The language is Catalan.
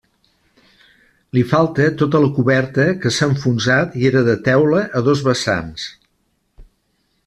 Li falta tota la coberta, que s'ha enfonsat i era de teula, a dos vessants.